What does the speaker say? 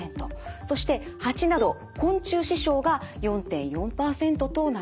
そして蜂など昆虫刺傷が４．４％となっています。